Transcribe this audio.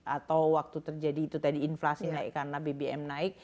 atau waktu terjadi itu tadi inflasi naik karena bbm naik